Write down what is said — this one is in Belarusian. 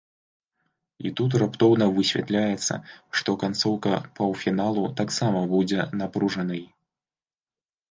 І тут раптоўна высвятляецца, што канцоўка паўфіналу таксама будзе напружанай.